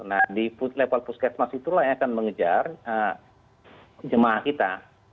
nah di level puskesmas itulah yang akan mengejar jemaah kita